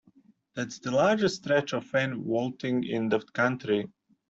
That's the largest stretch of fan vaulting in the country.